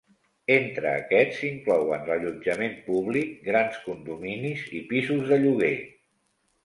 Entre aquests s'inclouen l'allotjament públic, grans condominis i pisos de lloguer.